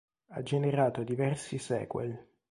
Ha generato diversi sequel.